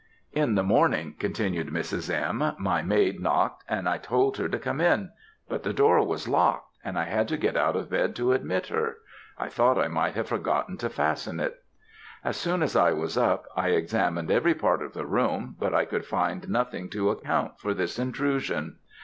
"In the morning," continued Mrs. M., "my maid knocked, and I told her to come in; but the door was locked, and I had to get out of bed to admit her I thought I might have forgotten to fasten it. As soon as I was up, I examined every part of the room, but I could find nothing to account for this intrusion.